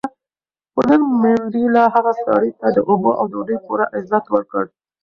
خو نن منډېلا هغه سړي ته د اوبو او ډوډۍ پوره عزت ورکړ.